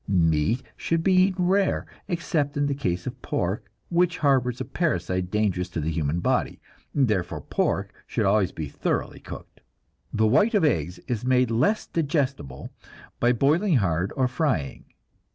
Meat should be eaten rare, except in the case of pork, which harbors a parasite dangerous to the human body; therefore pork should always be thoroughly cooked. The white of eggs is made less digestible by boiling hard or frying.